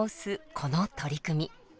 この取り組み。